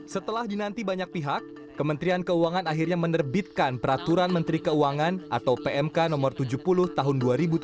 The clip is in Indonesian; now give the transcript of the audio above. setelah dinanti banyak pihak kementerian keuangan akhirnya menerbitkan peraturan menteri keuangan atau pmk no tujuh puluh tahun dua ribu tujuh belas